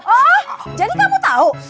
oh jadi kamu tahu